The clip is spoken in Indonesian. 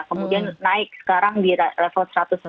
kemudian naik sekarang di level satu ratus sepuluh